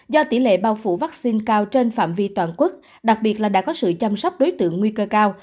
do tỷ lệ bao phủ vaccine cao trên phạm vi toàn quốc đặc biệt là đã có sự chăm sóc đối tượng nguy cơ cao